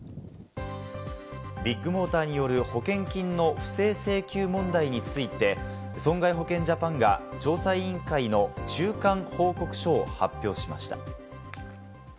ビッグモーターによる保険金の不正請求問題について、損害保険ジャパンが調査委員会の中間報告書を発表しました。